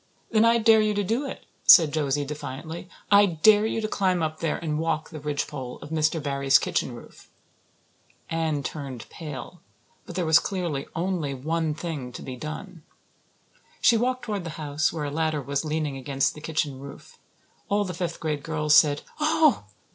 "Then I dare you to do it," said Josie defiantly. "I dare you to climb up there and walk the ridgepole of Mr. Barry's kitchen roof." Anne turned pale, but there was clearly only one thing to be done. She walked toward the house, where a ladder was leaning against the kitchen roof. All the fifth class girls said, "Oh!"